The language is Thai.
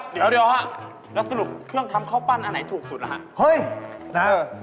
เดี๋ยวแล้วสรุปเครื่องทำเข้าปั้นอันไหนถูกสุดแล้วฮะ